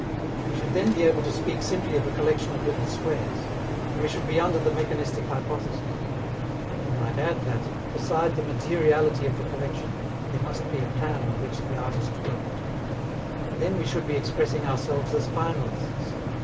We should then be able to speak simply of a collection of little squares, and we should be under the mechanistic hypothesis. We might add that, beside the materiality of the collection, there must be a plan on which the artist worked; and then we should be expressing ourselves as finalists.